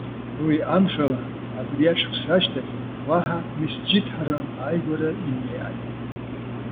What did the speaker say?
Уи амшала, абри ашықәс ашьҭахь, уаҳа Месџьид Ҳарам ааигәара имнеиааит.